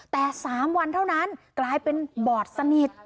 แต่๓วันเท่านั้นกลายเป็นบอดสนิท